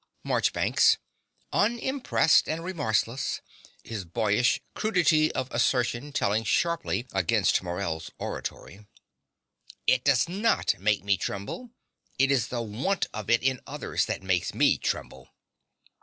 MARCHBANKS (unimpressed and remorseless, his boyish crudity of assertion telling sharply against Morell's oratory). It does not make me tremble. It is the want of it in others that makes me tremble.